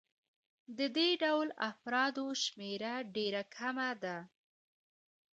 د دې ډول افرادو شمېره ډېره کمه ده